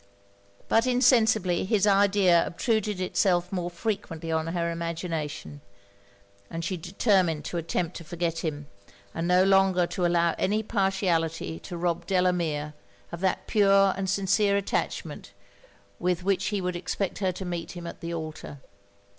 But insensibly his idea obtruded itself more frequently on her imagination; and she determined to attempt to forget him, and no longer to allow any partiality to rob Delamere of that pure and sincere attachment with which he would expect her to meet him at the altar.